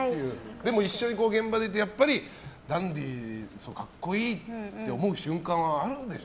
でも一緒に現場にいてダンディー、格好いいって思う瞬間はあるでしょ？